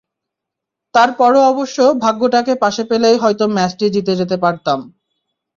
তার পরও অবশ্য ভাগ্যটাকে পাশে পেলেই হয়তো ম্যাচটি জিতে যেতে পারতাম।